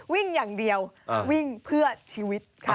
วิ่งอย่างเดียววิ่งเพื่อชีวิตค่ะ